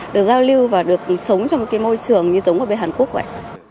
được giao lưu và được sống trong một cái môi trường như giống ở bên hàn quốc vậy